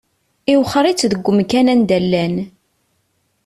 Iwexxer-itt deg umkan anda llan.